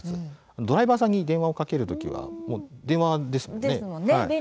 ドライバーさんに電話をかけるときはありますよね。